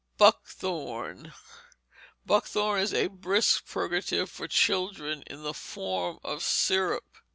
Buckthorn Buckthorn is a brisk purgative for children in the form of syrup.